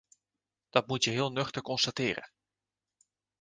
Dat moet je heel nuchter constateren.